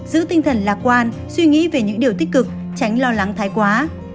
giữ tinh thần lạc quan suy nghĩ về những điều tích cực tránh lo lắng thái quá